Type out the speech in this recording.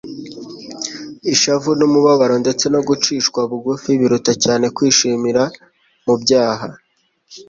Ishavu n'umubabaro ndetse no gucishwa bugufi biruta cyane kwishimira mu byaha.